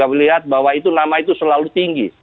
saya juga lihat bahwa itu lama itu selalu tinggi